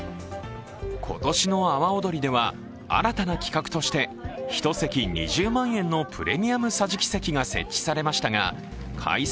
今年の阿波おどりでは新たな企画として１席２０万円のプレミア桟敷席が設置されましたが開催